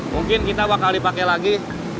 mungkin kita bakal dipakai lagi